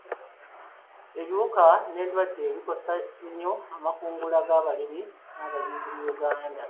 Ebiwuka n'endwadde bikosa nnyo amakungula g'abalimi n'abalunzi mu Uganda.